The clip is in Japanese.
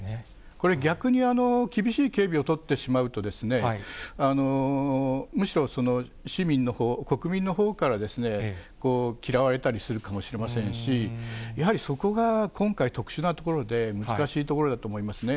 これ、逆に、厳しい警備を取ってしまうと、むしろ市民のほう、国民のほうから嫌われたりするかもしれませんし、やはり、そこが今回、特殊なところで難しいところだと思いますね。